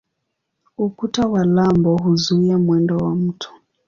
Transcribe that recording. Ukuta wa lambo huzuia mwendo wa mto.